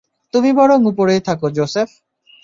তুমি বরং উপরেই থাকো, জোসেফ।